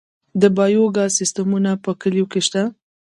د بایو ګاز سیستمونه په کلیو کې شته؟